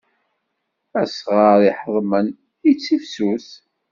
Asɣar iḥeḍmen ittifsus.